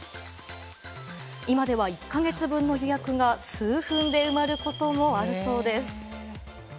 今では１か月分の予約が数分で埋まることもあるそうです。